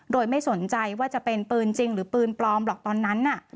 โดยไม่สนใจว่าจะเป็นปืนจริงหรือปืนปลอมหรอกตอนนั้น